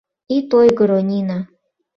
Ит ойгыро, Нина!